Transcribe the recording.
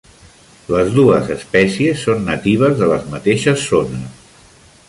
Les dues espècies són natives de les mateixes zones.